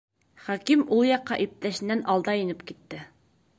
Хәким ул яҡҡа иптәшенән алда инеп китте.